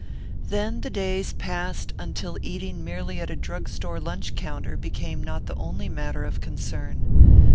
Then the days passed until eating merely at a drug store lunch counter became not the only matter of concern.